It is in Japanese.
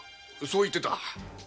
そう言っていた。